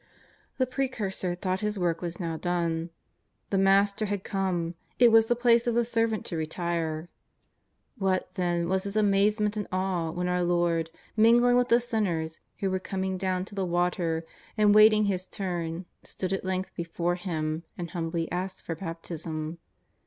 The Precursor thought his work was now done; the Master had come, it was the place of the servant to retire. What, then, was his amazement and awe when our Lord, mingling with the sinners who were coming down to the water, and waiting His turn, stood at length before Him and humbly asked for baptism.